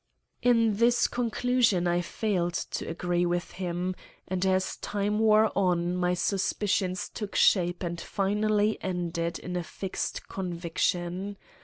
In this conclusion I failed to agree with him, and as time wore on my suspicions took shape and finally ended in a fixed conviction.